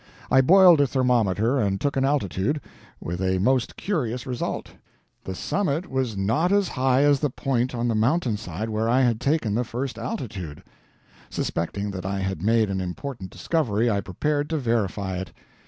I boiled a thermometer and took an altitude, with a most curious result: THE SUMMIT WAS NOT AS HIGH AS THE POINT ON THE MOUNTAINSIDE WHERE I HAD TAKEN THE FIRST ALTITUDE. Suspecting that I had made an important discovery, I prepared to verify it.